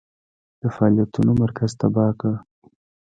د فعالیتونو مرکز تباه کړ.